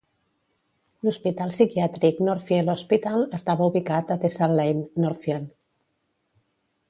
L'hospital psiquiàtric Northfield Hospital estava ubicat a Tessal Lane, Northfield.